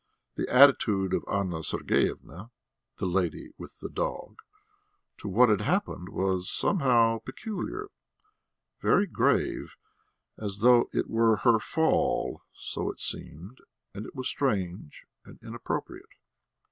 The attitude of Anna Sergeyevna "the lady with the dog" to what had happened was somehow peculiar, very grave, as though it were her fall so it seemed, and it was strange and inappropriate.